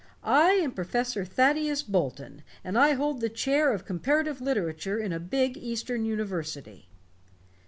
I am Professor Thaddeus Bolton, and I hold the Chair of Comparative Literature in a big eastern university."